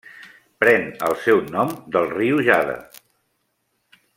Pren el seu nom del riu Jade.